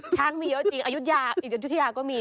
ช้างมีเยอะจริงอายุทยาก็มีใช่ไหม